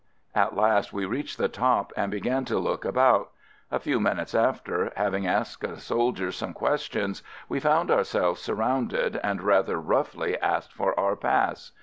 At last we reached the top and began to look about. A few minutes after, having asked a soldier some question, we found ourselves surrounded, and rather roughly asked for our pass.